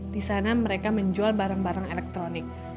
di sana mereka menjual barang barang elektronik